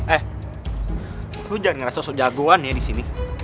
eh lu jangan ngerasa sok jagoan ya disini